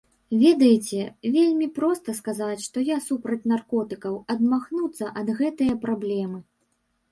Ведаеце, вельмі проста сказаць, што я супраць наркотыкаў, адмахнуцца ад гэтае праблемы.